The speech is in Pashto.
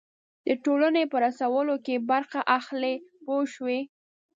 د ټولنې په رسولو کې برخه اخلي پوه شوې!.